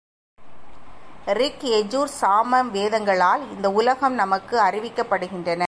இருக்குளால் அந்த உலகமும், யஜுக்களால் இடைப்பட்ட உலகமும், சாமன்களால் பிரமனின் உலகமும் நமக்கு அறிவிக்கப்படுகின்றன.